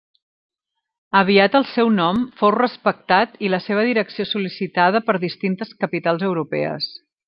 Aviat el seu nom fou respectat i la seva direcció sol·licitada per distintes capitals europees.